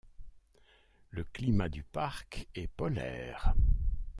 Le climat du parc est polaire.